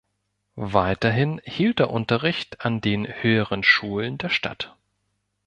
Weiterhin hielt er Unterricht an den höheren Schulen der Stadt.